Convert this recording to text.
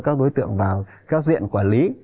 các đối tượng vào các diện quản lý